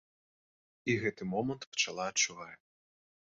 І гэты момант пчала адчувае.